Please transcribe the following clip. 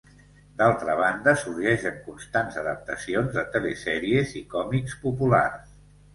D'altra banda, sorgeixen constants adaptacions de telesèries i còmics populars.